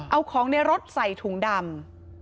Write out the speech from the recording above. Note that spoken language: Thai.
เอาของในรถใส่ถุงดำ